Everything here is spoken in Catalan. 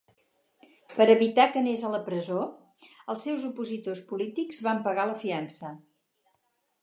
Per evitar que anés a presó, els seus opositors polítics van pagar la fiança.